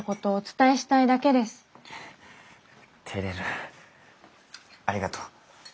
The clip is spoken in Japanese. えってれるありがとう。